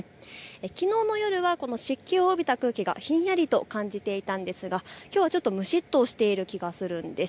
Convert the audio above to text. きのうの夜は湿気を帯びた空気がひんやりと感じていたんですがきょうは蒸しっとしている気がします。